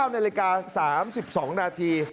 ๙นาฬิกา๓๒นาที